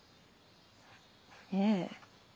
ええ。